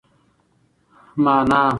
مانا